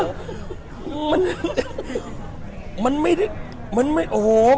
ลองซักตั้งเลยเหรอ